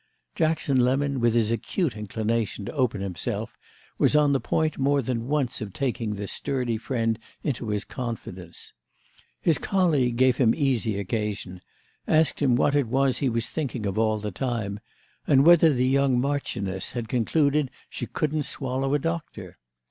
Jackson Lemon, with his acute inclination to open himself, was on the point more than once of taking this sturdy friend into his confidence. His colleague gave him easy occasion—asked him what it was he was thinking of all the time and whether the young marchioness had concluded she couldn't swallow a doctor.